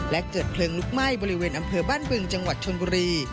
และเกิดเพลิงลุกไหม้บริเวณอำเภอบ้านบึงจังหวัดชนบุรี